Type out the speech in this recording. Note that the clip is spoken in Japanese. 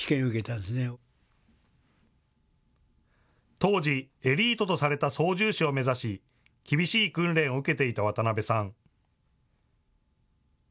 当時、エリートとされた操縦士を目指し厳しい訓練を受けていた渡邉さん。